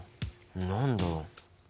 何だろう？